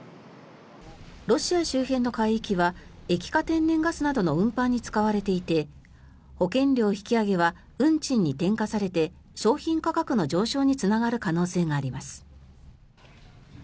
ロシア周辺の海域は液化天然ガスなどの運搬に使われていて保険料引き上げは運賃に転嫁されて商品価格の上昇につながる可能性があります。